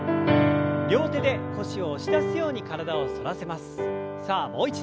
両手で腰を押し出すように体を反らせます。